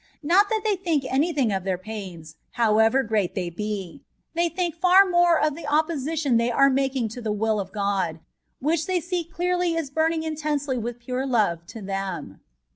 Not that they think any thing of their pains, however great they be ; they think far more of the opposition they are making to the will of God, which they see clearly is buming in tensely with pure love to them.